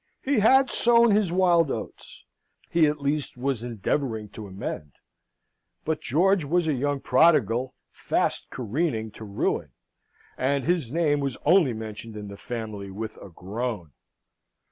He had sown his wild oats, he at least was endeavouring to amend; but George was a young prodigal, fast careering to ruin, and his name was only mentioned in the family with a groan.